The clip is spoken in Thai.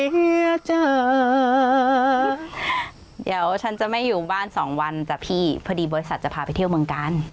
เดี๋ยวฉันจะไม่อยู่บ้านสองวันจ้ะพี่พอดีบริษัทจะพาไปเที่ยวเมืองกาล